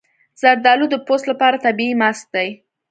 زردالو د پوست لپاره طبیعي ماسک دی.